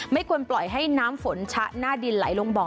ไม่ควรปล่อยให้น้ำฝนชะหน้าดินไหลลงบ่อ